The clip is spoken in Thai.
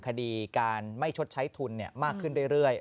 คดีการไม่ชดใช้ทุนมากขึ้นเรื่อย